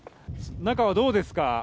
中はどうですか？